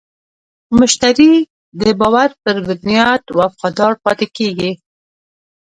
مشتری د باور په بنیاد وفادار پاتې کېږي.